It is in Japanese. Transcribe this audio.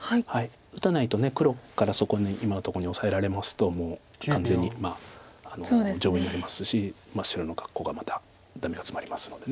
打たないと黒からそこに今のとこにオサえられますともう完全に丈夫になりますし白の格好がまたダメがツマりますので。